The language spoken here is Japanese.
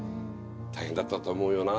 大変だったと思うよな。